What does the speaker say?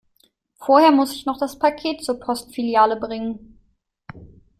Vorher muss ich noch das Paket zur Postfiliale bringen.